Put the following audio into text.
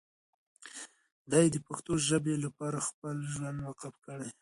دی د پښتو ژبې لپاره خپل ژوند وقف کړی.